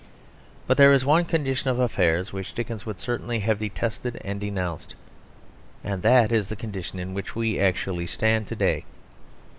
But there is one condition of affairs which Dickens would certainly have detested and denounced, and that is the condition in which we actually stand to day.